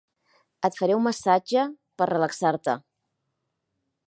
Et faré un massatge per relaxar-te.